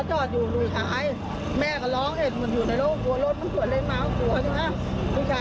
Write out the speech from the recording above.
หนูชายก็ไหลวิ่งขาเห็นไปขับวนกับหมา